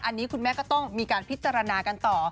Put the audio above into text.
อันนี้คุณแม่ก็ต้องมีการพิจารณากันต่อ